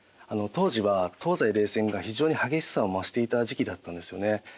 当時は東西冷戦が非常に激しさを増していた時期だったんですよね。